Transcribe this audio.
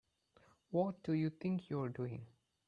What do you think you're doing?